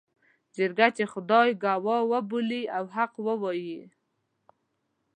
جرګه چې خدای ګواه وبولي او حق ووايي.